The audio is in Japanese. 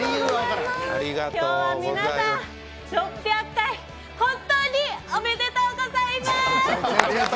今日は皆さん、６００回本当におめでとうございます。